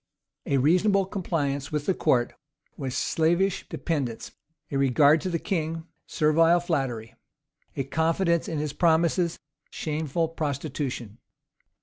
A reasonable compliance with the court was slavish dependence; a regard to the king, servile flattery; a confidence in his promises, shameful prostitution.